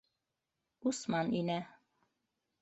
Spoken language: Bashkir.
Усман инә.